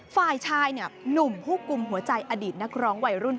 ฝ่ายชายหนุ่มผู้กลุ่มหัวใจอดีตนักร้องวัยรุ่น